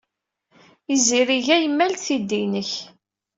Izirig-a yemmal-d tiddi-nnek.